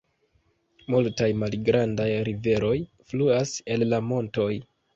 Multaj malgrandaj riveroj fluas el la montoj.